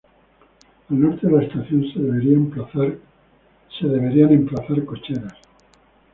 Al norte de la estación se deberían emplazar cocheras.